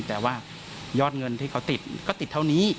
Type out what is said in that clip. แต่ว่ายอดเงินที่เขาติดก็ติดเท่านี้